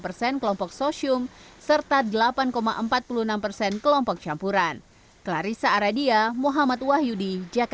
persen kelompok sosium serta delapan empat puluh enam persen kelompok campuran clarissa aradia muhammad wahyudi jakarta